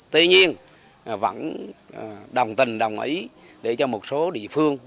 tuy nhiên vẫn đồng tình đồng ý để cho một số địa phương